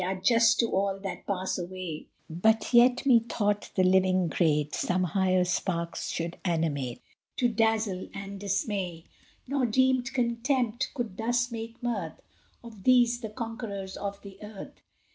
are just To all that pass away; But yet methought the living great Some higher sparks should animate, To dazzle and dismay: Nor deemed Contempt could thus make mirth Of these, the Conquerors of the earth.